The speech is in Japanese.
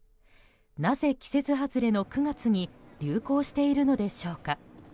なぜ、季節外れの９月に流行しているのでしょうか。